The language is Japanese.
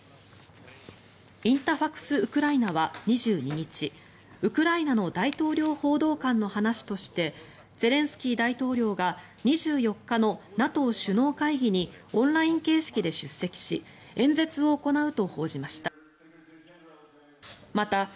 インタファクス・ウクライナは２２日ウクライナの大統領報道官の話としてゼレンスキー大統領が２４日のＮＡＴＯ首脳会議にオンライン形式で出席し演説を行うと報じました。